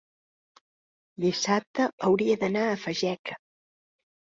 Dissabte hauria d'anar a Fageca.